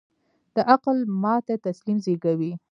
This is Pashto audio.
د عقل ماتې تسلیم زېږوي.